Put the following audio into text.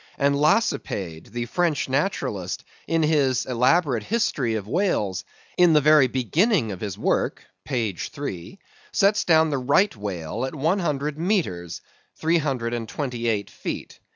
And Lacépède, the French naturalist, in his elaborate history of whales, in the very beginning of his work (page 3), sets down the Right Whale at one hundred metres, three hundred and twenty eight feet.